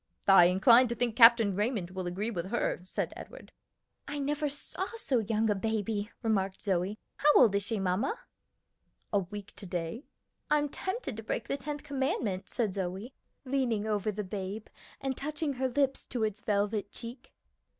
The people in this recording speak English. "I incline to think Captain Raymond will agree with her," said Edward. "I never saw so young a baby," remarked Zoe. "How old is she, mamma?" "A week to day." "I'm tempted to break the tenth commandment," said Zoe, leaning over the babe and touching her lips to its velvet cheek.